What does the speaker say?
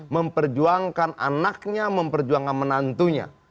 memperjuangkan anaknya memperjuangkan menantunya